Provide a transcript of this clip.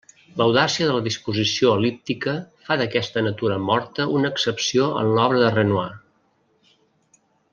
L'audàcia de la disposició el·líptica fa d'aquesta natura morta una excepció en l'obra de Renoir.